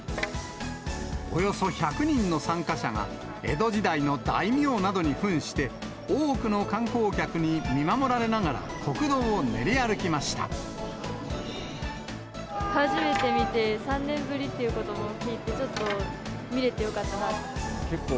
およそ１００人の参加者が、江戸時代の大名などにふんして、多くの観光客に見守られながら、初めて見て、３年ぶりっていうことも聞いて、ちょっと、見れてよかったなと。